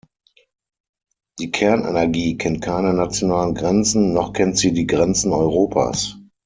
Die Kernenergie kennt keine nationalen Grenzen, noch kennt sie die Grenzen Europas.